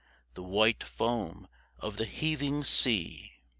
The white foam of the heaving sea.